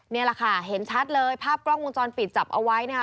นี่แหละค่ะเห็นชัดเลยภาพกล้องวงจรปิดจับเอาไว้นะคะ